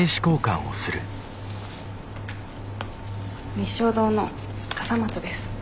日粧堂の笠松です。